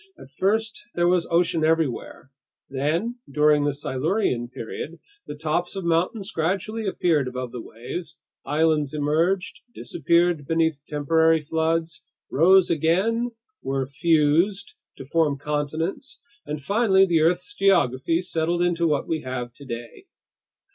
At first there was ocean everywhere. Then, during the Silurian period, the tops of mountains gradually appeared above the waves, islands emerged, disappeared beneath temporary floods, rose again, were fused to form continents, and finally the earth's geography settled into what we have today.